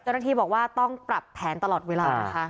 เจ้าหน้าที่บอกว่าต้องปรับแผนตลอดเวลานะคะ